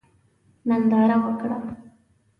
ننداره وکړه.